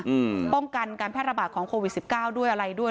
อืมป้องกันการแพร่ระบาดของโควิดสิบเก้าด้วยอะไรด้วย